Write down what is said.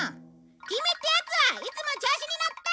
キミってやつはいつも調子に乗って！